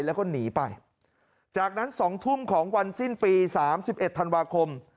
แล้วก็หนีไปจากนั้นสองทุ่มของวันสิ้นปีสามสิบเอ็ดธันวาคม